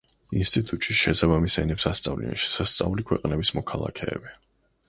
ინსტიტუტში შესაბამის ენებს ასწავლიან შესასწავლი ქვეყნების მოქალაქეები.